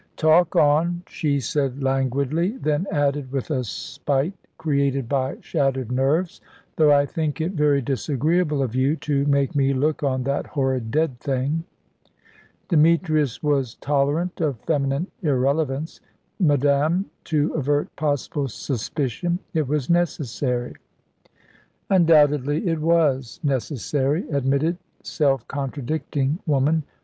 "Talk on," she said languidly; then added, with a spite created by shattered nerves, "though I think it very disagreeable of you, to make me look on that horrid dead thing." Demetrius was tolerant of feminine irrelevance. "Madame, to avert possible suspicion, it was necessary." "Undoubtedly it was necessary," admitted self contradicting woman.